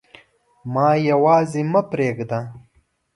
ما یواځي مه پریږده